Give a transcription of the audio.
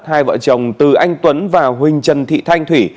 hai vợ chồng từ anh tuấn và huỳnh trần thị thanh thủy